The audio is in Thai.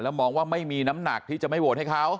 มองว่าไม่มีน้ำหนักที่จะไม่โหวตให้เขา